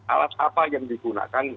alat apa yang digunakan